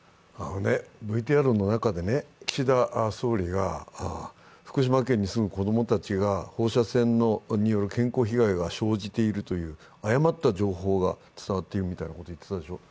ＶＴＲの中で、岸田総理が福島県に住む子供たちが放射線による健康被害が生じているという誤った情報が伝わっているみたいなことを言っていたでしょう。